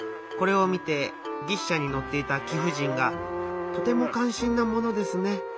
これを見て牛車に乗っていた貴婦人が「とても感心なものですね。